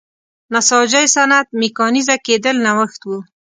نساجۍ صنعت میکانیزه کېدل نوښت و.